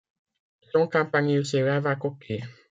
Son campanile s’élève à côté.